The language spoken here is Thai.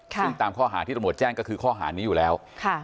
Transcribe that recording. ซึ่งตามข้อหาที่ตำรวจแจ้งก็คือข้อหานี้อยู่แล้ว